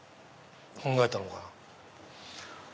考えたのかな？